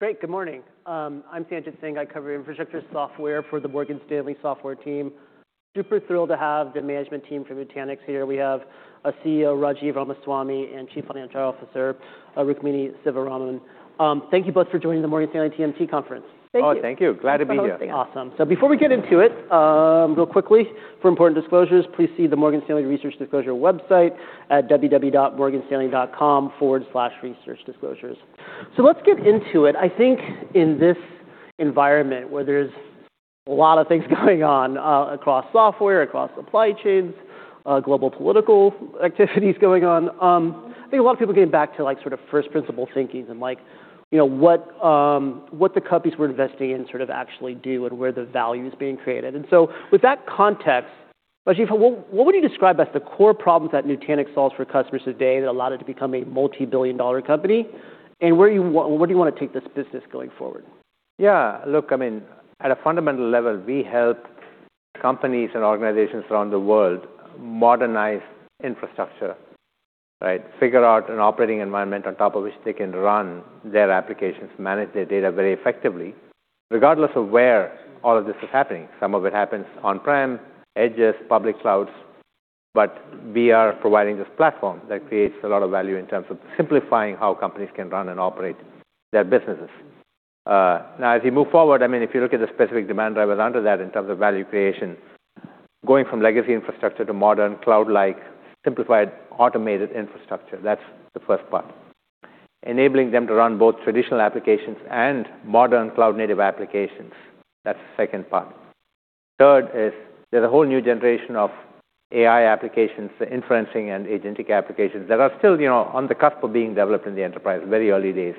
Great. Good morning. I'm Sanjit Singh. I cover infrastructure software for the Morgan Stanley software team. Super thrilled to have the management team from Nutanix here. We have CEO Rajiv Ramaswami and Chief Financial Officer Rukmini Sivaraman. Thank you both for joining the Morgan Stanley TMT conference. Thank you. Oh, thank you. Glad to be here. Thanks for hosting us. Awesome. Before we get into it, real quickly, for important disclosures, please see the Morgan Stanley research disclosure website at www.morganstanley.com/researchdisclosures. Let's get into it. I think in this environment where there's a lot of things going on, across software, across supply chains, global political activities going on, I think a lot of people are getting back to, like, sort of first principle thinkings and like, you know, what the companies we're investing in sort of actually do and where the value is being created. With that context, Rajiv, what would you describe as the core problems that Nutanix solves for customers today that allowed it to become a multi-billion dollar company? Where do you wanna take this business going forward? Yeah. Look, I mean, at a fundamental level, we help companies and organizations around the world modernize infrastructure, right? Figure out an operating environment on top of which they can run their applications, manage their data very effectively, regardless of where all of this is happening. Some of it happens on-prem, edges, public clouds. We are providing this platform that creates a lot of value in terms of simplifying how companies can run and operate their businesses. Now, as you move forward, I mean, if you look at the specific demand drivers under that in terms of value creation, going from legacy infrastructure to modern cloud-like simplified automated infrastructure, that's the first part. Enabling them to run both traditional applications and modern cloud-native applications, that's the second part. Third is there's a whole new generation of AI applications, the inferencing and agentic applications that are still, you know, on the cusp of being developed in the enterprise, very early days.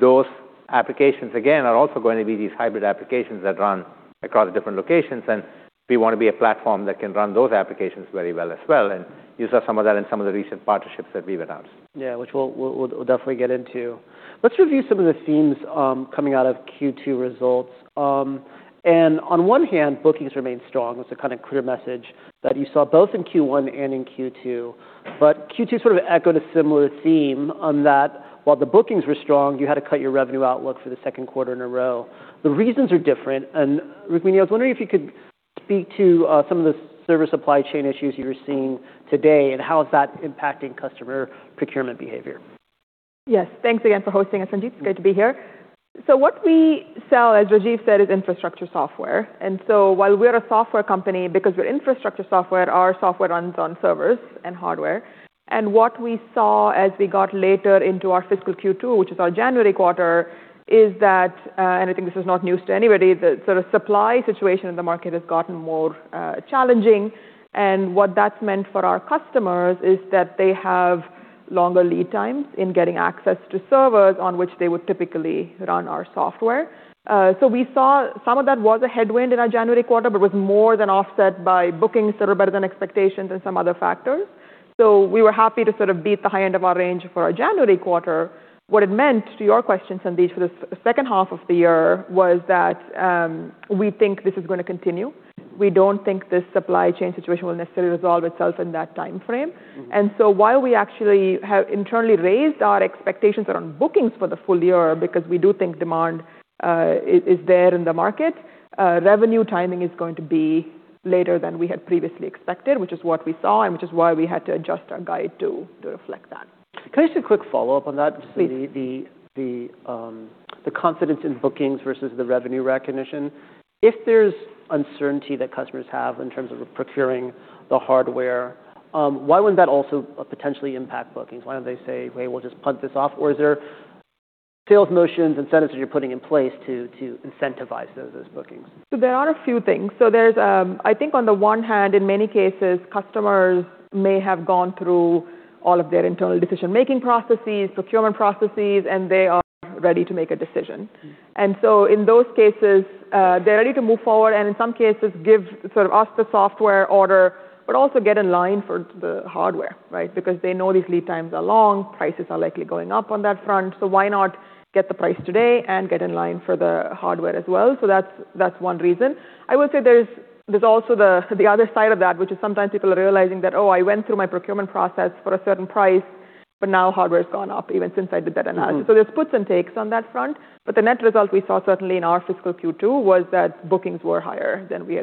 Those applications, again, are also going to be these hybrid applications that run across different locations, and we wanna be a platform that can run those applications very well as well. You saw some of that in some of the recent partnerships that we've announced. Yeah. Which we'll definitely get into. Let's review some of the themes coming out of Q2 results. On one hand, bookings remained strong. It's a kind of clear message that you saw both in Q1 and in Q2. Q2 sort of echoed a similar theme on that while the bookings were strong, you had to cut your revenue outlook for the second quarter in a row. The reasons are different. Rukmini, I was wondering if you could speak to some of the service supply chain issues you're seeing today, and how is that impacting customer procurement behavior? Yes. Thanks again for hosting us, Sanjit. It's great to be here. What we sell, as Rajiv said, is infrastructure software. While we're a software company, because we're infrastructure software, our software runs on servers and hardware. What we saw as we got later into our fiscal Q2, which is our January quarter, is that, and I think this is not news to anybody, the sort of supply situation in the market has gotten more challenging. What that's meant for our customers is that they have longer lead times in getting access to servers on which they would typically run our software. We saw some of that was a headwind in our January quarter, but was more than offset by bookings that are better than expectations and some other factors. We were happy to sort of beat the high end of our range for our January quarter. What it meant to your question, Sanjit, for the second half of the year was that we think this is gonna continue. We don't think this supply chain situation will necessarily resolve itself in that timeframe. Mm-hmm. While we actually have internally raised our expectations around bookings for the full year because we do think demand is there in the market, revenue timing is going to be later than we had previously expected, which is what we saw and which is why we had to adjust our guide to reflect that. Can I ask a quick follow-up on that? Please. The confidence in bookings versus the revenue recognition. If there's uncertainty that customers have in terms of procuring the hardware, why wouldn't that also potentially impact bookings? Why don't they say, "Wait, we'll just put this off," or is there sales motions incentives that you're putting in place to incentivize those bookings? There are a few things. There's, I think on the one hand, in many cases, customers may have gone through all of their internal decision-making processes, procurement processes, and they are ready to make a decision. In those cases, they're ready to move forward, and in some cases, give sort of us the software order, but also get in line for the hardware, right? Because they know these lead times are long, prices are likely going up on that front. Why not get the price today and get in line for the hardware as well? That's one reason. I would say there's also the other side of that, which is sometimes people are realizing that, oh, I went through my procurement process for a certain price, but now hardware's gone up even since I did that analysis. Mm-hmm. There's puts and takes on that front. The net result we saw certainly in our fiscal Q2 was that bookings were higher than we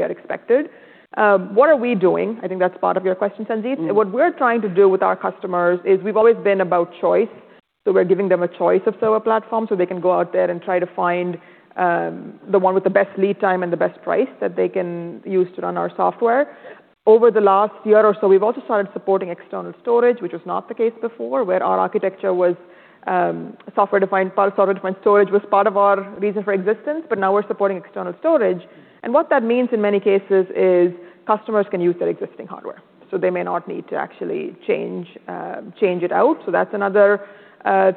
had expected. What are we doing? I think that's part of your question, Sanjit. Mm-hmm. What we're trying to do with our customers is we've always been about choice. We're giving them a choice of server platform, so they can go out there and try to find the one with the best lead time and the best price that they can use to run our software. Over the last year or so, we've also started supporting external storage, which was not the case before, where our architecture was software-defined storage was part of our reason for existence, but now we're supporting external storage. What that means in many cases is customers can use their existing hardware, so they may not need to actually change it out. That's another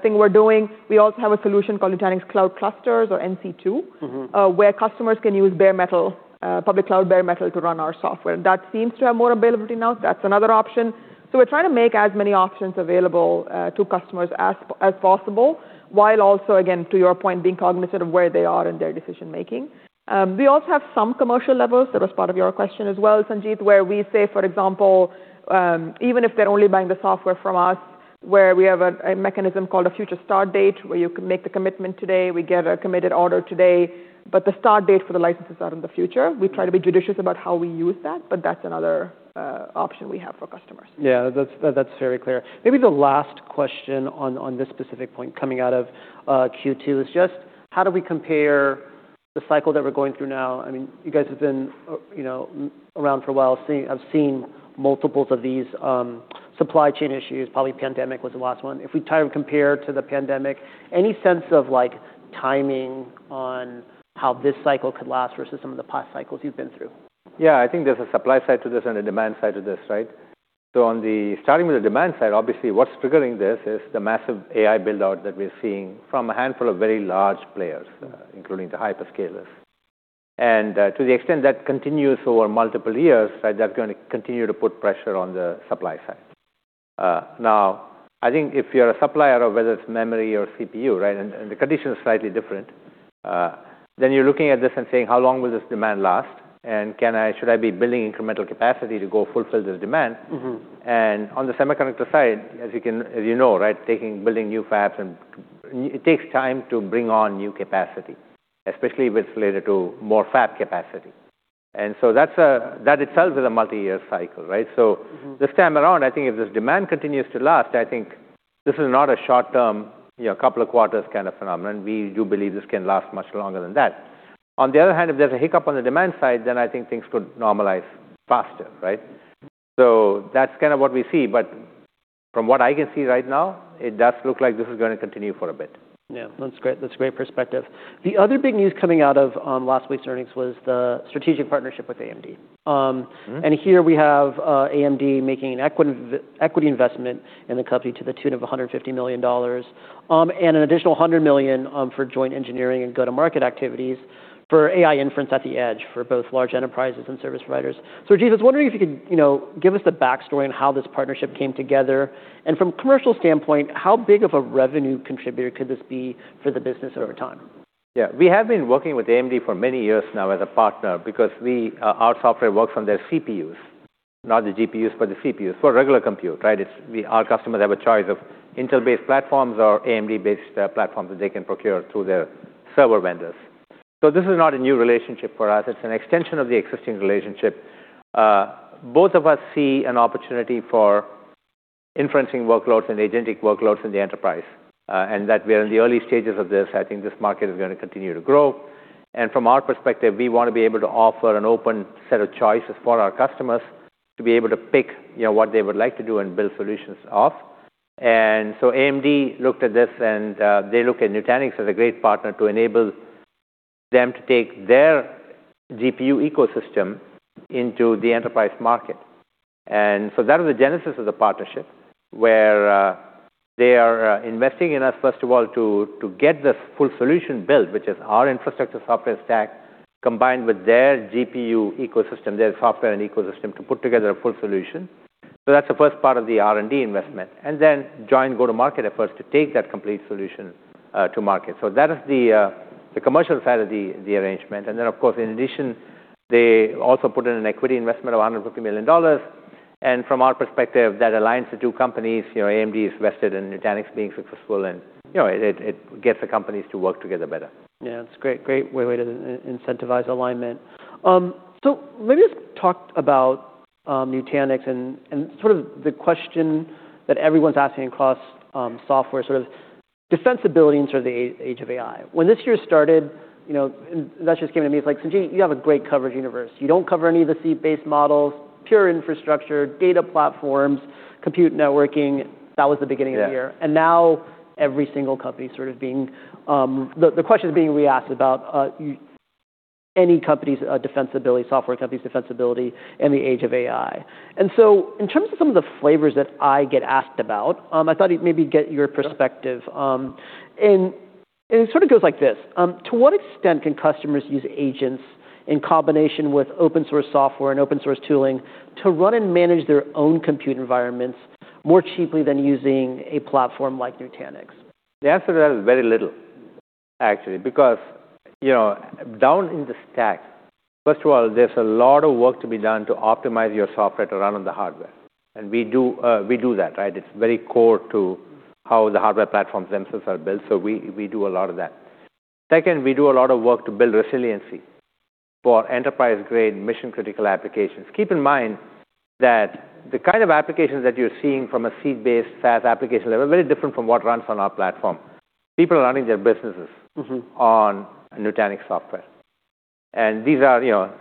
thing we're doing. We also have a solution called Nutanix Cloud Clusters or NC2. Mm-hmm ...where customers can use bare metal, public cloud bare metal to run our software. That seems to have more availability now. That's another option. We're trying to make as many options available to customers as possible while also, again, to your point, being cognizant of where they are in their decision-making. We also have some commercial levels. That was part of your question as well, Sanjit, where we say, for example, even if they're only buying the software from us, where we have a mechanism called a future start date, where you can make the commitment today, we get a committed order today, but the start date for the license is out in the future. We try to be judicious about how we use that, but that's another option we have for customers. Yeah. That's very clear. Maybe the last question on this specific point coming out of Q2 is just how do we compare the cycle that we're going through now? I mean, you guys have been, you know, around for a while, have seen multiples of these supply chain issues. Probably pandemic was the last one. If we try and compare to the pandemic, any sense of, like, timing on how this cycle could last versus some of the past cycles you've been through? Yeah. I think there's a supply side to this and a demand side to this, right? Starting with the demand side, obviously, what's triggering this is the massive AI build-out that we're seeing from a handful of very large players, including the hyperscalers. To the extent that continues over multiple years, right, that's gonna continue to put pressure on the supply side. Now, I think if you're a supplier of whether it's memory or CPU, right, and the condition is slightly different, then you're looking at this and saying, "How long will this demand last?" Should I be building incremental capacity to go fulfill this demand? Mm-hmm. On the semiconductor side, as you know, right, taking, building new fabs and it takes time to bring on new capacity, especially if it's related to more fab capacity. That itself is a multi-year cycle, right? Mm-hmm. This time around, I think if this demand continues to last, I think this is not a short-term, you know, couple of quarters kind of phenomenon. We do believe this can last much longer than that. On the other hand, if there's a hiccup on the demand side, then I think things could normalize faster, right? That's kind of what we see. From what I can see right now, it does look like this is gonna continue for a bit. Yeah. That's great. That's a great perspective. The other big news coming out of last week's earnings was the strategic partnership with AMD. Mm-hmm. Here we have AMD making an equity investment in the company to the tune of $150 million, and an additional $100 million for joint engineering and go-to-market activities for AI inference at the edge for both large enterprises and service providers. Rajiv, I was wondering if you could, you know, give us the backstory on how this partnership came together. From commercial standpoint, how big of a revenue contributor could this be for the business over time? Yeah. We have been working with AMD for many years now as a partner because we, our software works on their CPUs, not the GPUs, but the CPUs for regular compute, right? Our customers have a choice of Intel-based platforms or AMD-based platforms that they can procure through their server vendors. This is not a new relationship for us. It's an extension of the existing relationship. Both of us see an opportunity for inferencing workloads and agentic workloads in the enterprise, and that we are in the early stages of this. I think this market is gonna continue to grow. From our perspective, we wanna be able to offer an open set of choices for our customers to be able to pick, you know, what they would like to do and build solutions off. AMD looked at this and they look at Nutanix as a great partner to enable them to take their GPU ecosystem into the enterprise market. That is the genesis of the partnership, where they are investing in us, first of all, to get this full solution built, which is our infrastructure software stack combined with their GPU ecosystem, their software and ecosystem, to put together a full solution. That's the first part of the R&D investment, and then joint go-to-market efforts to take that complete solution to market. That is the commercial side of the arrangement. Then, of course, in addition, they also put in an equity investment of $150 million. From our perspective, that aligns the two companies. You know, AMD is vested in Nutanix being successful and, you know, it gets the companies to work together better. Yeah. It's a great way to incentivize alignment. Maybe just talk about Nutanix and sort of the question that everyone's asking across software, sort of defensibility into the age of AI. When this year started, you know, and that just came to me, it's like, Sanjit, you have a great coverage universe. You don't cover any of the seed-based models, pure infrastructure, data platforms, compute networking. That was the beginning of the year. Yeah. Now the question is being reasked about any company's defensibility, software company's defensibility in the age of AI. In terms of some of the flavors that I get asked about, I thought it'd maybe get your perspective. It sort of goes like this. To what extent can customers use agents in combination with open source software and open source tooling to run and manage their own compute environments more cheaply than using a platform like Nutanix? The answer to that is very little, actually. You know, down in the stack, first of all, there's a lot of work to be done to optimize your software to run on the hardware, and we do that, right? It's very core to how the hardware platforms themselves are built, we do a lot of that. Second, we do a lot of work to build resiliency for enterprise-grade mission-critical applications. Keep in mind that the kind of applications that you're seeing from a seed-based SaaS application level are very different from what runs on our platform. People are running their businesses. Mm-hmm. On Nutanix software. These are, you know,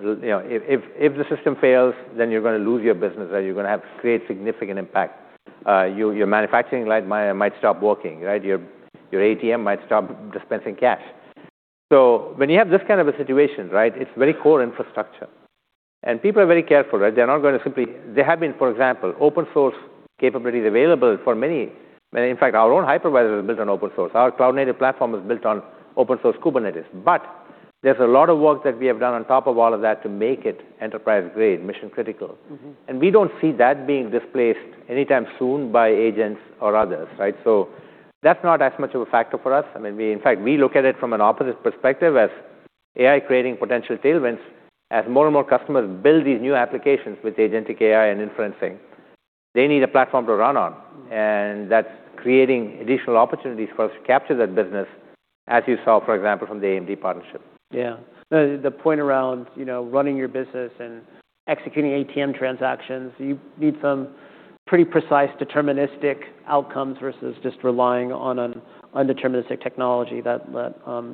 you know, if the system fails, then you're gonna lose your business or you're gonna have to create significant impact. Your manufacturing line might stop working, right? Your ATM might stop dispensing cash. When you have this kind of a situation, right, it's very core infrastructure. People are very careful, right? They're not gonna. They have been, for example, open source capabilities available for many. In fact, our own hypervisor is built on open source. Our cloud-native platform is built on open source Kubernetes. There's a lot of work that we have done on top of all of that to make it enterprise-grade mission-critical. Mm-hmm. We don't see that being displaced anytime soon by agents or others, right? That's not as much of a factor for us. I mean, in fact, we look at it from an opposite perspective as AI creating potential tailwinds. As more and more customers build these new applications with agentic AI and inferencing, they need a platform to run on, and that's creating additional opportunities for us to capture that business, as you saw, for example, from the AMD partnership. Yeah. The point around, you know, running your business and executing ATM transactions, you need some pretty precise deterministic outcomes versus just relying on an undeterministic technology that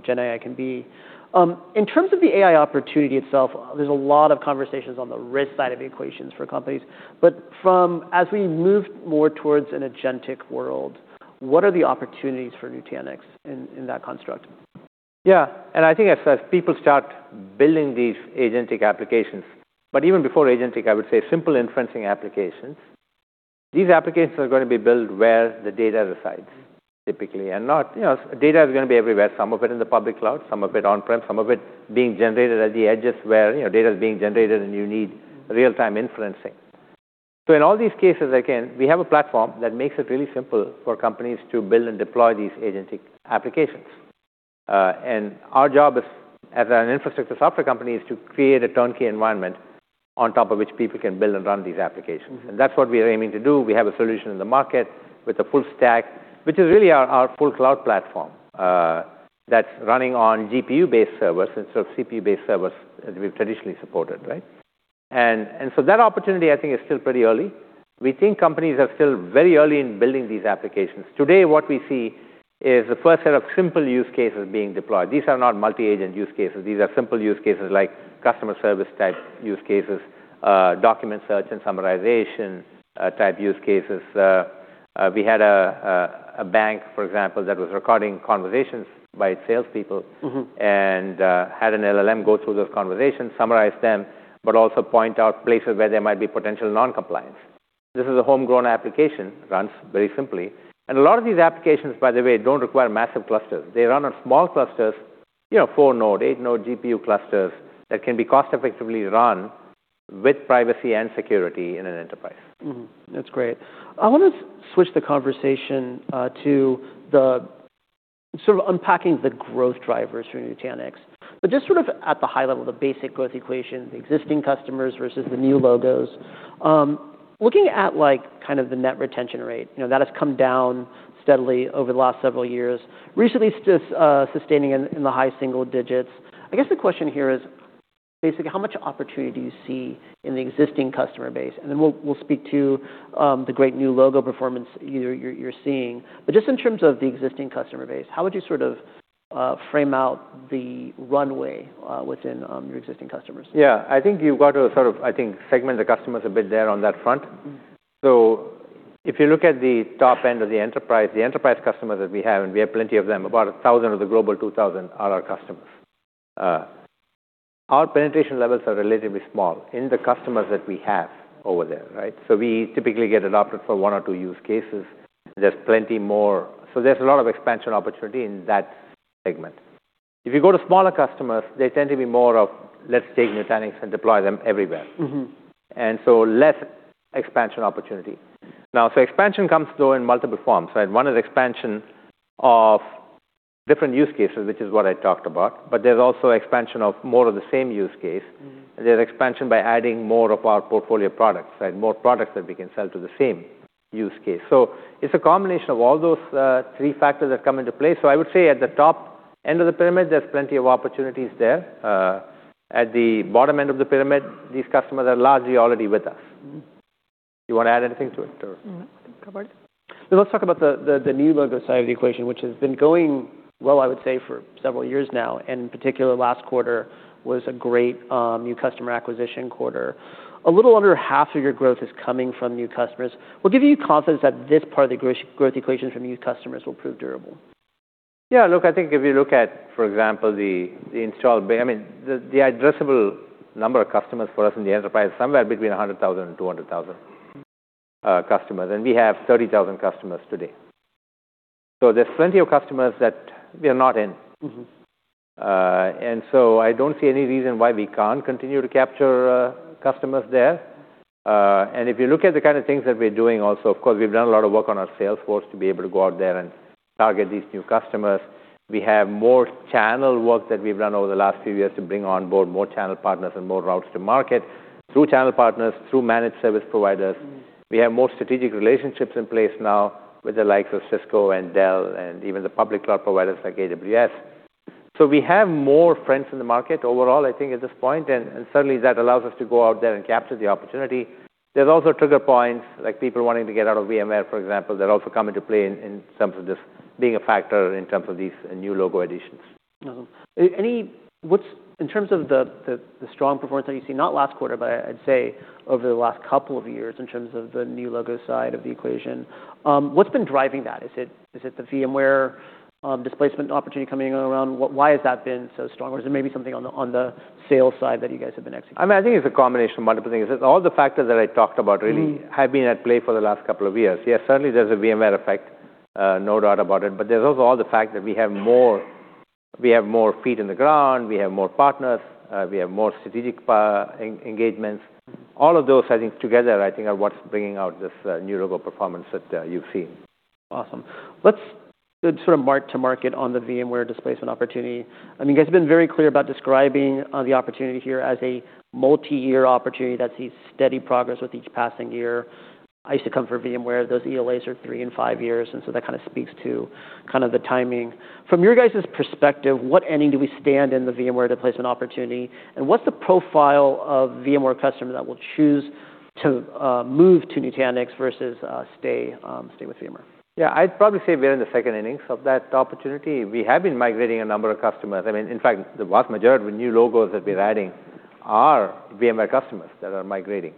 gen AI can be. In terms of the AI opportunity itself, there's a lot of conversations on the risk side of the equations for companies. As we move more towards an agentic world, what are the opportunities for Nutanix in that construct? Yeah. I think as people start building these agentic applications, but even before agentic, I would say simple inferencing applications. These applications are gonna be built where the data resides typically and not, you know, data is gonna be everywhere, some of it in the public cloud, some of it on-prem, some of it being generated at the edges where, you know, data is being generated, and you need real-time inferencing. In all these cases, again, we have a platform that makes it really simple for companies to build and deploy these agentic applications. Our job as an infrastructure software company is to create a turnkey environment on top of which people can build and run these applications. That's what we are aiming to do. We have a solution in the market with a full stack, which is really our full cloud platform that's running on GPU-based servers instead of CPU-based servers as we've traditionally supported, right? That opportunity, I think, is still pretty early. We think companies are still very early in building these applications. Today, what we see is the first set of simple use cases being deployed. These are not multi-agent use cases. These are simple use cases like customer service type use cases, document search and summarization, type use cases. We had a bank, for example, that was recording conversations by its salespeople. Mm-hmm had an LLM go through those conversations, summarize them, but also point out places where there might be potential non-compliance. This is a homegrown application, runs very simply. A lot of these applications, by the way, don't require massive clusters. They run on small clusters, you know, four-node, eight-node GPU clusters that can be cost effectively run with privacy and security in an enterprise. That's great. I wanna switch the conversation to sort of unpacking the growth drivers for Nutanix. Just sort of at the high level, the basic growth equation, the existing customers versus the new logos. Looking at, like, kind of the net retention rate, you know, that has come down steadily over the last several years, recently sustaining in the high single digits. I guess the question here is basically how much opportunity do you see in the existing customer base? We'll speak to the great new logo performance you're seeing. Just in terms of the existing customer base, how would you sort of frame out the runway within your existing customers? Yeah. I think you've got to sort of, I think, segment the customers a bit there on that front. Mm-hmm. If you look at the top end of the enterprise, the enterprise customers that we have, and we have plenty of them, about 1,000 of the Global 2000 are our customers. Our penetration levels are relatively small in the customers that we have over there, right? We typically get adopted for 1 or 2 use cases. There's plenty more. There's a lot of expansion opportunity in that segment. If you go to smaller customers, they tend to be more of let's take Nutanix and deploy them everywhere. Mm-hmm. Less expansion opportunity. Now, expansion comes, though, in multiple forms, right? One is expansion of different use cases, which is what I talked about, but there's also expansion of more of the same use case. Mm-hmm. There's expansion by adding more of our portfolio products, right? More products that we can sell to the same use case. It's a combination of all those three factors that come into play. I would say at the top end of the pyramid, there's plenty of opportunities there. At the bottom end of the pyramid, these customers are largely already with us. Mm-hmm. You wanna add anything to it or? No. Covered. Let's talk about the new logo side of the equation, which has been going well, I would say, for several years now, and in particular, last quarter was a great new customer acquisition quarter. A little under half of your growth is coming from new customers. What gives you confidence that this part of the growth equation from new customers will prove durable? Yeah, look, I think if you look at, for example, the installed base. I mean, the addressable number of customers for us in the enterprise is somewhere between 100,000 and 200,000 customers, and we have 30,000 customers today. There's plenty of customers that we are not in. Mm-hmm. I don't see any reason why we can't continue to capture customers there. If you look at the kind of things that we're doing also, of course, we've done a lot of work on our sales force to be able to go out there and target these new customers. We have more channel work that we've done over the last few years to bring on board more channel partners and more routes to market through channel partners, through managed service providers. Mm-hmm. We have more strategic relationships in place now with the likes of Cisco and Dell and even the public cloud providers like AWS. We have more friends in the market overall, I think, at this point, and certainly that allows us to go out there and capture the opportunity. There's also trigger points, like people wanting to get out of VMware, for example, that also come into play in terms of just being a factor in terms of these new logo additions. In terms of the strong performance that you've seen, not last quarter, but I'd say over the last couple of years in terms of the new logo side of the equation, what's been driving that? Is it the VMware displacement opportunity coming around? Why has that been so strong or is it maybe something on the sales side that you guys have been executing? I mean, I think it's a combination of multiple things. It's all the factors that I talked about really. Mm-hmm... have been at play for the last couple of years. Yes, certainly there's a VMware effect. No doubt about it. There's also all the fact that we have more, we have more feet in the ground, we have more partners, we have more strategic engagements. All of those, I think together, I think are what's bringing out this new logo performance that you've seen. Awesome. Let's sort of mark to market on the VMware displacement opportunity. I mean, you guys have been very clear about describing the opportunity here as a multi-year opportunity that sees steady progress with each passing year. I used to come from VMware. Those ELAs are three and five years, that kind of speaks to kind of the timing. From your guys's perspective, what inning do we stand in the VMware displacement opportunity? What's the profile of VMware customers that will choose to move to Nutanix versus stay with VMware? Yeah. I'd probably say we're in the second inning of that opportunity. We have been migrating a number of customers. I mean, in fact, the vast majority of the new logos that we're adding are VMware customers that are migrating.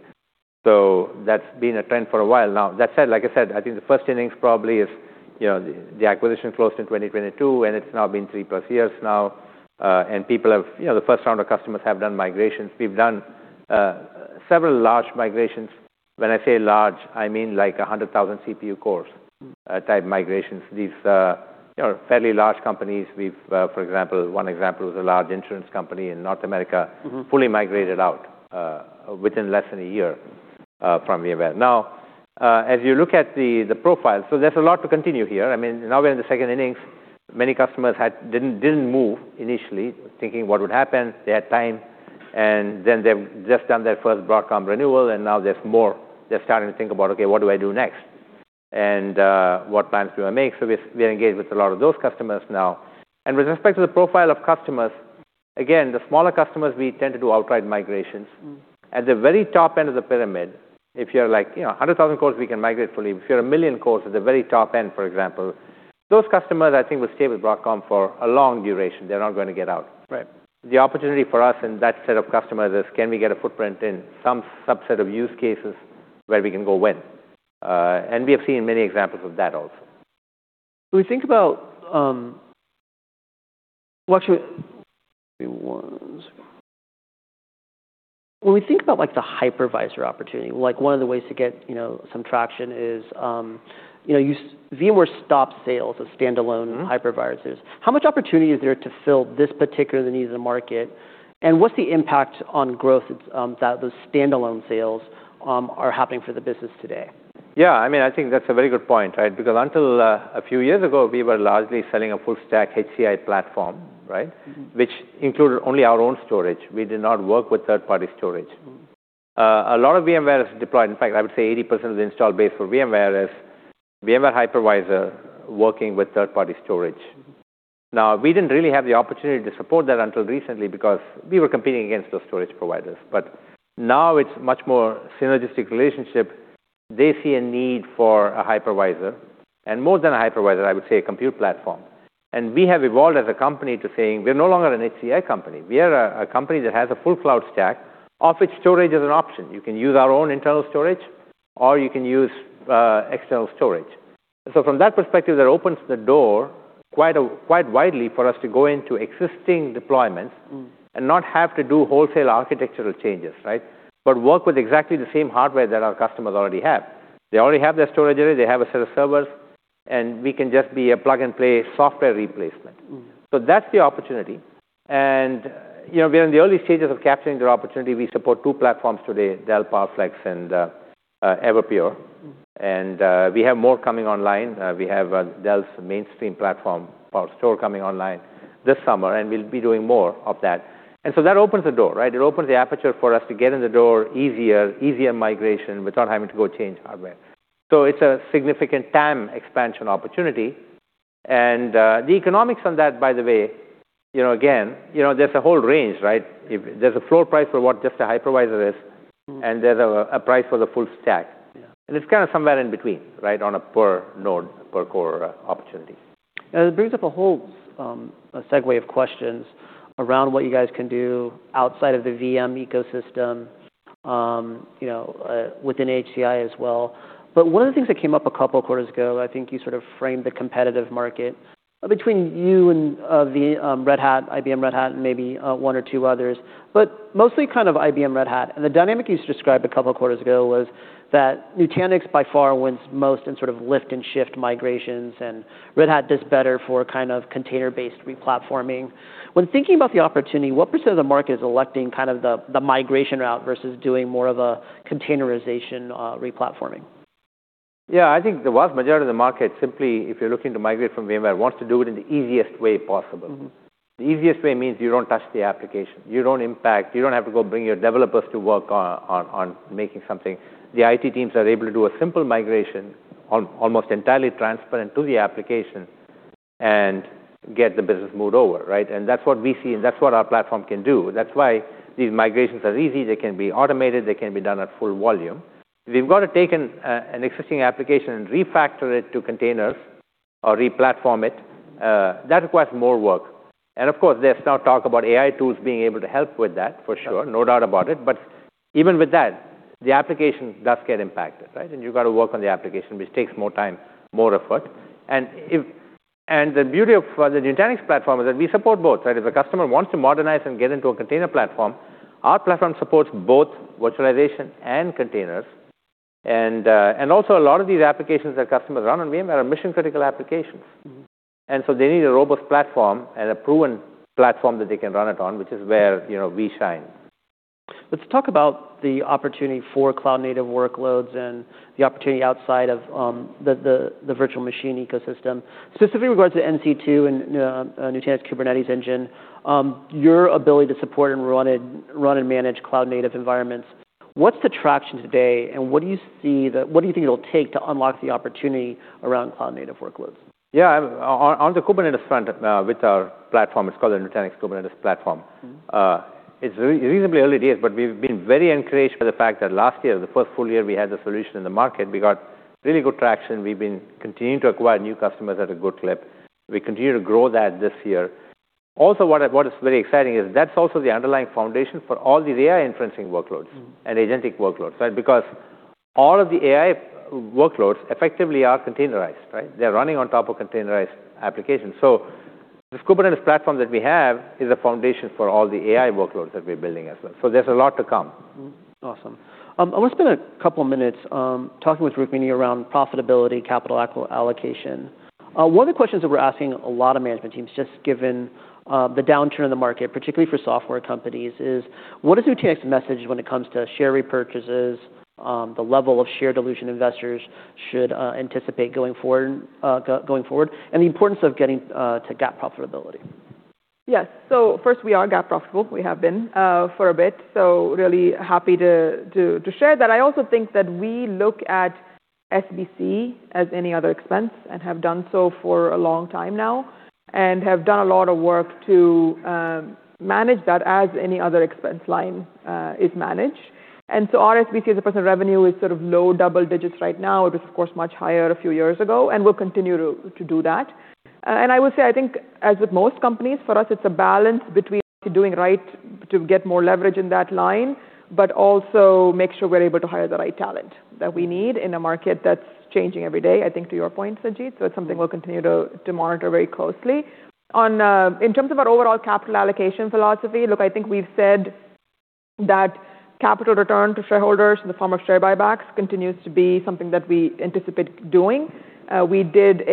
That's been a trend for a while now. That said, like I said, I think the first innings probably is, you know, the acquisition closed in 2022, and it's now been 3+ years now. You know, the first round of customers have done migrations. We've done several large migrations. When I say large, I mean like 100,000 CPU cores type migrations. These, you know, fairly large companies. We've, for example, one example is a large insurance company in North America. Mm-hmm. -fully migrated out within less than a year from VMware. As you look at the profile, there's a lot to continue here. I mean, now we're in the second innings, many customers didn't move initially, thinking what would happen. They had time, they've just done their first Broadcom renewal, and now there's more. They're starting to think about, "Okay, what do I do next? What plans do I make?" We're engaged with a lot of those customers now. With respect to the profile of customers, again, the smaller customers, we tend to do outright migrations. Mm. At the very top end of the pyramid, if you're like, you know, 100,000 cores, we can migrate fully. If you're 1 million cores at the very top end, for example, those customers I think will stay with Broadcom for a long duration. They're not going to get out. Right. The opportunity for us and that set of customers is can we get a footprint in some subset of use cases where we can go win? We have seen many examples of that also. When we think about, like, the hypervisor opportunity, like one of the ways to get, you know, some traction is, you know, VMware stopped sales of standalone- Mm. hypervisors. How much opportunity is there to fill this particular need in the market? What's the impact on growth, that those standalone sales, are having for the business today? I mean, I think that's a very good point, right? Because until a few years ago, we were largely selling a full stack HCI platform, right? Mm-hmm. Which included only our own storage. We did not work with third-party storage. A lot of VMware is deployed. In fact, I would say 80% of the install base for VMware is VMware hypervisor working with third-party storage. Now it's much more synergistic relationship. They see a need for a hypervisor, and more than a hypervisor, I would say a compute platform. We have evolved as a company to saying we're no longer an HCI company. We are a company that has a full cloud stack of which storage is an option. You can use our own internal storage or you can use external storage. From that perspective, that opens the door quite widely for us to go into existing deployments. Mm. Not have to do wholesale architectural changes, right? Work with exactly the same hardware that our customers already have. They already have their storage array, they have a set of servers, we can just be a plug-and-play software replacement. Mm. That's the opportunity. You know, we're in the early stages of capturing the opportunity. We support two platforms today, Dell PowerFlex and Everpure. Mm. We have more coming online. We have Dell's mainstream platform, PowerStore, coming online this summer, and we'll be doing more of that. That opens the door, right? It opens the aperture for us to get in the door easier migration without having to go change hardware. It's a significant TAM expansion opportunity. The economics on that, by the way, you know, again, you know, there's a whole range, right? There's a floor price for what just a hypervisor is... Mm. There's a price for the full stack. Yeah. it's kind of somewhere in between, right, on a per node, per core, opportunity. It brings up a whole, a segue of questions around what you guys can do outside of the VM ecosystem, you know, within HCI as well. One of the things that came up a couple of quarters ago, I think you sort of framed the competitive market between you and the Red Hat, IBM Red Hat, and maybe one or two others, but mostly kind of IBM Red Hat. The dynamic you described a couple of quarters ago was that Nutanix by far wins most in sort of lift and shift migrations, and Red Hat does better for kind of container-based replatforming. When thinking about the opportunity, what % of the market is electing kind of the migration route versus doing more of a containerization, replatforming? Yeah. I think the vast majority of the market simply, if you're looking to migrate from VMware, wants to do it in the easiest way possible. Mm-hmm. The easiest way means you don't touch the application. You don't have to go bring your developers to work on making something. The IT teams are able to do a simple migration almost entirely transparent to the application and get the business moved over, right? That's what we see, and that's what our platform can do. That's why these migrations are easy. They can be automated. They can be done at full volume. If you've got to take an existing application and refactor it to containers or replatform it, that requires more work. Of course, there's now talk about AI tools being able to help with that, for sure. No doubt about it. Even with that, the application does get impacted, right? You've got to work on the application, which takes more time, more effort. The beauty of, for the Nutanix platform is that we support both, right? If a customer wants to modernize and get into a container platform, our platform supports both virtualization and containers. Also a lot of these applications that customers run on VM are mission-critical applications. Mm-hmm. They need a robust platform and a proven platform that they can run it on, which is where, you know, we shine. Let's talk about the opportunity for cloud-native workloads and the opportunity outside of the virtual machine ecosystem. Specifically with regards to NC2 and Nutanix Kubernetes Engine, your ability to support and run and manage cloud-native environments, what's the traction today, and what do you think it'll take to unlock the opportunity around cloud-native workloads? Yeah. On the Kubernetes front, with our platform, it's called the Nutanix Kubernetes Platform. Mm-hmm. It's reasonably early days, but we've been very encouraged by the fact that last year, the first full year we had the solution in the market, we got really good traction. We've been continuing to acquire new customers at a good clip. We continue to grow that this year. Also, what is very exciting is that's also the underlying foundation for all the AI inferencing workloads... Mm. Agentic workloads, right? All of the AI workloads effectively are containerized, right? They're running on top of containerized applications. This Kubernetes platform that we have is a foundation for all the AI workloads that we're building as well. There's a lot to come. Awesome. I wanna spend a couple minutes, talking with Rukmini around profitability, capital allocation. One of the questions that we're asking a lot of management teams, just given, the downturn in the market, particularly for software companies, is what is Nutanix's message when it comes to share repurchases, the level of share dilution investors should, anticipate going forward, and the importance of getting, to GAAP profitability? First, we are GAAP profitable. We have been for a bit, so really happy to share that. I also think that we look at SBC as any other expense and have done so for a long time now, and have done a lot of work to manage that as any other expense line is managed. Our SBC as a % of revenue is sort of low double digits right now. It was, of course, much higher a few years ago, and we'll continue to do that. I will say, I think as with most companies, for us it's a balance between doing right to get more leverage in that line, but also make sure we're able to hire the right talent that we need in a market that's changing every day, I think to your point, Sanjit. it's something we'll continue to monitor very closely. On, in terms of our overall capital allocation philosophy, look, I think we've said that capital return to shareholders in the form of share buybacks continues to be something that we anticipate doing. We did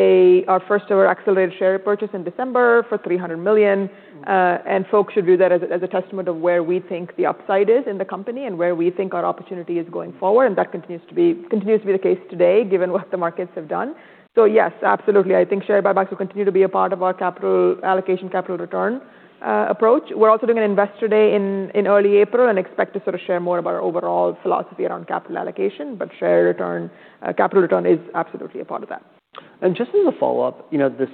our first ever accelerated share repurchase in December for $300 million. Mm. Folks should view that as a testament of where we think the upside is in the company and where we think our opportunity is going forward, and that continues to be the case today given what the markets have done. Yes, absolutely. I think share buybacks will continue to be a part of our capital allocation, capital return approach. We're also doing an investor day in early April and expect to sort of share more of our overall philosophy around capital allocation, but share return, capital return is absolutely a part of that. Just as a follow-up, you know, this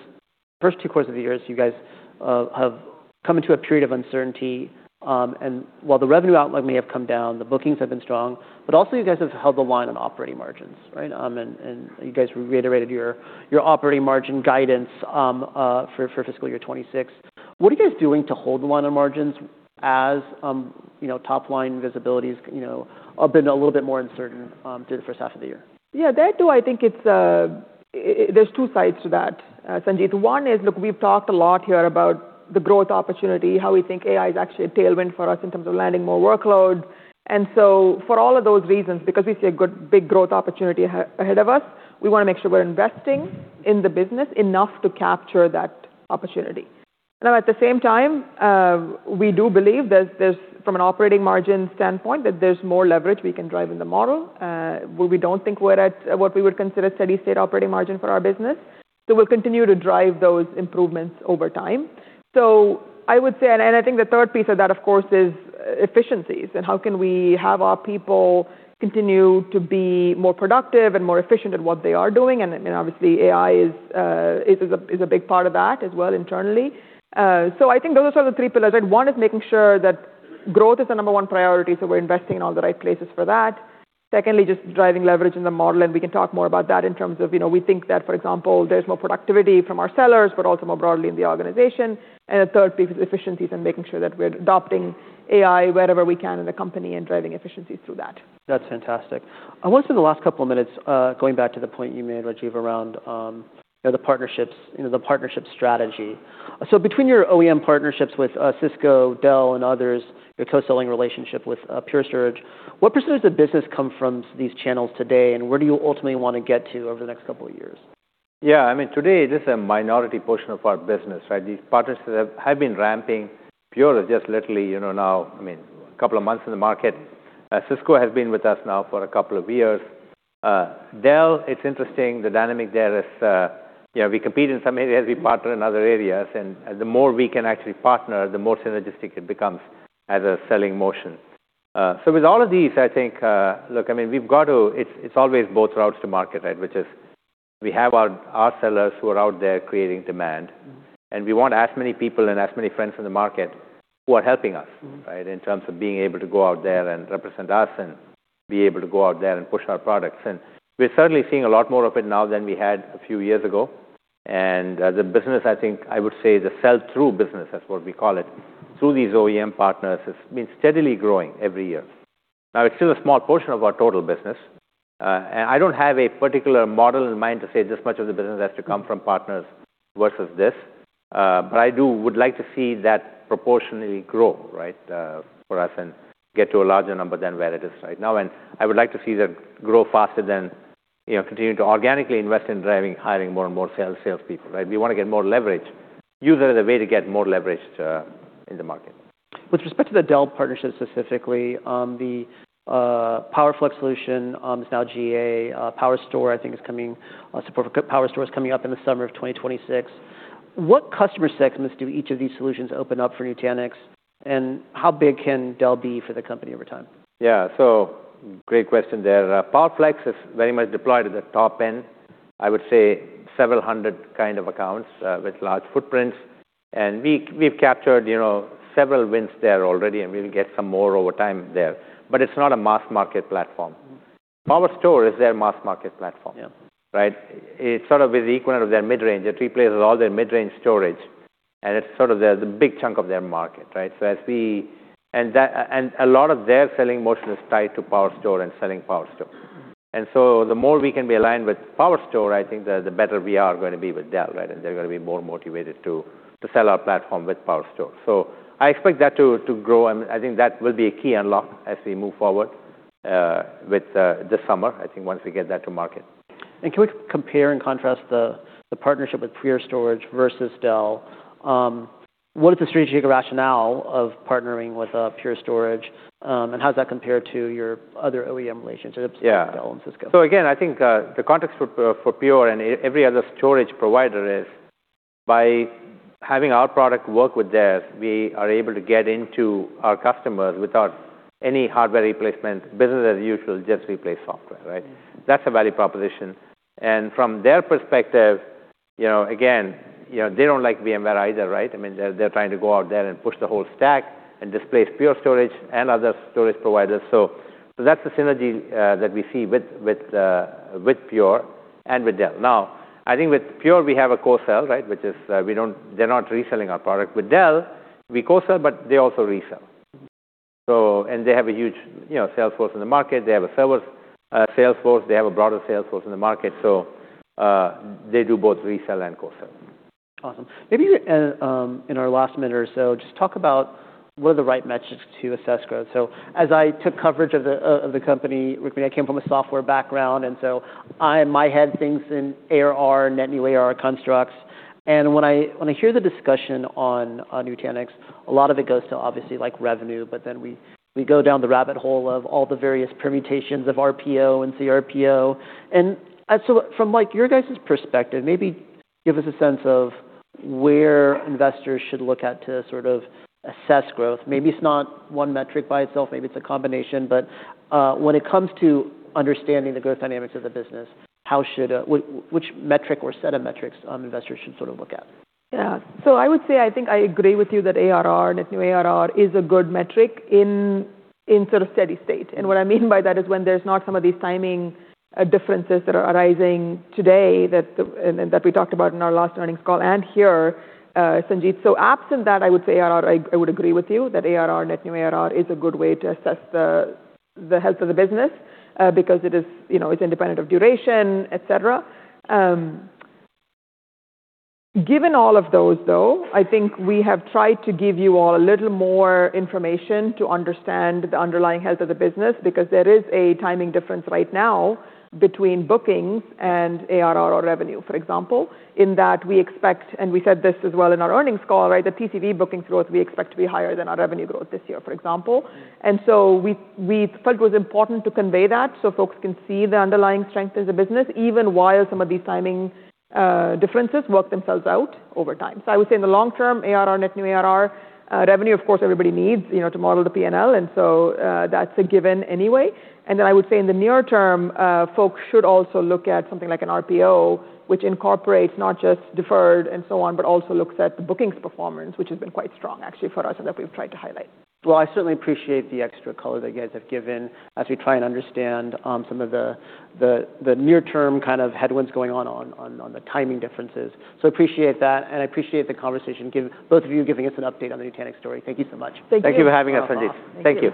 first two quarters of the year, so you guys have come into a period of uncertainty. While the revenue outlook may have come down, the bookings have been strong, but also you guys have held the line on operating margins, right? You guys reiterated your operating margin guidance for fiscal year 2026. What are you guys doing to hold the line on margins as, you know, top line visibility's, you know, been a little bit more uncertain through the first half of the year? Yeah. There too, I think it's, there's two sides to that, Sanjit. One is, look, we've talked a lot here about the growth opportunity, how we think AI is actually a tailwind for us in terms of landing more workloads. For all of those reasons, because we see a good, big growth opportunity ahead of us, we wanna make sure we're investing in the business enough to capture that opportunity. Now, at the same time, we do believe there's, from an operating margin standpoint, that there's more leverage we can drive in the model. Where we don't think we're at what we would consider steady state operating margin for our business. We'll continue to drive those improvements over time. I would say, and I think the third piece of that, of course, is efficiencies and how can we have our people continue to be more productive and more efficient at what they are doing. Obviously AI is a big part of that as well internally. I think those are sort of the three pillars, right? One is making sure that growth is the number one priority, so we're investing in all the right places for that. Secondly, just driving leverage in the model, and we can talk more about that in terms of, you know, we think that, for example, there's more productivity from our sellers, but also more broadly in the organization. The third piece is efficiencies and making sure that we're adopting AI wherever we can in the company and driving efficiencies through that. That's fantastic. I want to spend the last couple of minutes, going back to the point you made, Rajiv, around, you know, the partnership strategy. Between your OEM partnerships with Cisco, Dell, and others, your co-selling relationship with Pure Storage, what % of the business come from these channels today, and where do you ultimately want to get to over the next couple of years? Yeah. I mean, today this is a minority portion of our business, right? These partnerships have been ramping. Pure is just literally, you know, now, I mean, two months in the market. Cisco has been with us now for two years. Dell, it's interesting. The dynamic there is, you know, we compete in some areas, we partner in other areas. The more we can actually partner, the more synergistic it becomes as a selling motion. With all of these, I think, look, I mean, it's always both routes to market, right? Which is we have our sellers who are out there creating demand. Mm-hmm. We want as many people and as many friends in the market who are helping us. Mm-hmm. right? In terms of being able to go out there and represent us and be able to go out there and push our products. We're certainly seeing a lot more of it now than we had a few years ago. As a business, I think I would say the sell-through business, that's what we call it, through these OEM partners has been steadily growing every year. Now it's still a small portion of our total business. I don't have a particular model in mind to say this much of the business has to come from partners versus this, but I would like to see that proportionally grow, right? For us, and get to a larger number than where it is right now. I would like to see that grow faster than, you know, continuing to organically invest in driving, hiring more and more sales people, right? We want to get more leverage. Use it as a way to get more leverage in the market. With respect to the Dell partnership specifically, the PowerFlex solution is now GA. PowerStore I think support for PowerStore is coming up in the summer of 2026. What customer segments do each of these solutions open up for Nutanix, and how big can Dell be for the company over time? Great question there. PowerFlex is very much deployed at the top end, I would say several hundred kind of accounts with large footprints. We've captured, you know, several wins there already, and we'll get some more over time there. It's not a mass market platform. PowerStore is their mass market platform. Yeah. Right? It sort of is equivalent of their mid-range. It replaces all their mid-range storage, and it's sort of their the big chunk of their market, right? A lot of their selling motion is tied to PowerStore and selling PowerStore. The more we can be aligned with PowerStore, I think the better we are gonna be with Dell, right? They're gonna be more motivated to sell our platform with PowerStore. I expect that to grow, and I think that will be a key unlock as we move forward with this summer, I think once we get that to market. Can we compare and contrast the partnership with Pure Storage versus Dell? What is the strategic rationale of partnering with Pure Storage, and how does that compare to your other OEM relationships? Yeah with Dell and Cisco? Again, I think, the context for Pure and every other storage provider is by having our product work with theirs, we are able to get into our customers without any hardware replacement. Business as usual, just replace software, right? That's a value proposition. From their perspective, you know, again, you know, they don't like VMware either, right? I mean, they're trying to go out there and push the whole stack and displace Pure Storage and other storage providers. That's the synergy that we see with Pure and with Dell. Now, I think with Pure, we have a co-sell, right? Which is, they're not reselling our product. With Dell, we co-sell, but they also resell. They have a huge, you know, sales force in the market. They have a sellers sales force. They have a broader sales force in the market. They do both resell and co-sell. Awesome. Maybe in our last minute or so, just talk about what are the right metrics to assess growth. As I took coverage of the of the company, Rukmini, I came from a software background, and so I, in my head, things in ARR, Net New ARR constructs. When I hear the discussion on Nutanix, a lot of it goes to obviously like revenue, but then we go down the rabbit hole of all the various permutations of RPO and CRPO. From like your guys' perspective, maybe give us a sense of where investors should look at to sort of assess growth. Maybe it's not one metric by itself, maybe it's a combination. When it comes to understanding the growth dynamics of the business, how should which metric or set of metrics investors should sort of look at? I would say, I think I agree with you that ARR, net new ARR, is a good metric in sort of steady state. What I mean by that is when there's not some of these timing differences that are arising today and that we talked about in our last earnings call and here, Sanjit. Absent that, I would say ARR, I would agree with you that ARR, net new ARR, is a good way to assess the health of the business, because it is, you know, it's independent of duration, et cetera. Given all of those though, I think we have tried to give you all a little more information to understand the underlying health of the business because there is a timing difference right now between bookings and ARR or revenue, for example, in that we expect, and we said this as well in our earnings call, right? The TCV bookings growth we expect to be higher than our revenue growth this year, for example. We felt it was important to convey that so folks can see the underlying strength of the business even while some of these timing differences work themselves out over time. I would say in the long term, ARR, net new ARR, revenue, of course, everybody needs, you know, to model the P&L, and so that's a given anyway. I would say in the near term, folks should also look at something like an RPO, which incorporates not just deferred and so on, but also looks at the bookings performance, which has been quite strong actually for us and that we've tried to highlight. Well, I certainly appreciate the extra color that you guys have given as we try and understand, some of the near term kind of headwinds going on the timing differences. Appreciate that, and I appreciate the conversation, both of you giving us an update on the Nutanix story. Thank you so much. Thank you. Thank you for having us, Sanjit. Thank you. Thank you.